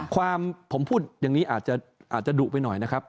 ความผมพูดอย่างนี้อาจจะดุไปหน่อยนะครับ